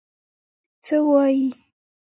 څه وايي.